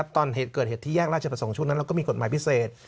ตอนเกิดเหตุที่แยกราชประสงค์ช่วงนั้นเราก็มีกฎหมายพิเศษ